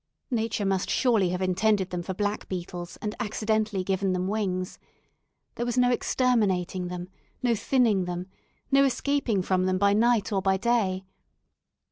Nature must surely have intended them for blackbeetles, and accidentally given them wings. There was no exterminating them no thinning them no escaping from them by night or by day.